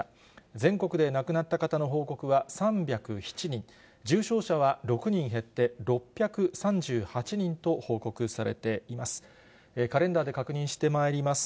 全国で亡くなった方の報告は３０７人、重症者は６人減って６３８人と報告されています。